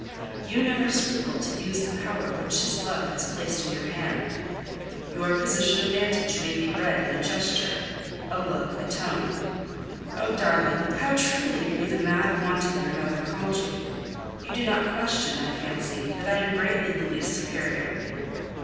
You never scruple to use the power which his love has placed in your hand. Your position of vantage may be read in a gesture, a look, a tone. Oh! darling, how truly are you the mad wanton your mother called you! You do not question, I fancy, that I am greatly Louis' superior.